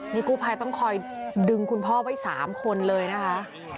นี่กู้ภัยต้องคอยดึงคุณพ่อไว้๓คนเลยนะคะ